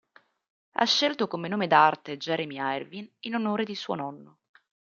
Ha scelto come nome d'arte Jeremy Irvine in onore di suo nonno.